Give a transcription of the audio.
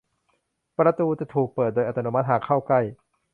ประตูจะถูกเปิดโดยอัตโนมัติหากเข้าใกล้